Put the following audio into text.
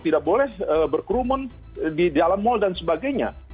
tidak boleh berkerumun di dalam mal dan sebagainya